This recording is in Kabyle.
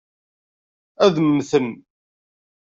Ad mmten.